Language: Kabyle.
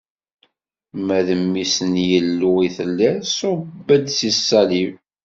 Ma d Mmi-s n Yillu i telliḍ, ṣubb-d si ṣṣalib.